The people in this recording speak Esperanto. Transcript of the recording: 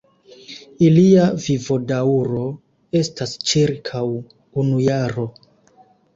Ilia vivodaŭro estas ĉirkaŭ unu jaro.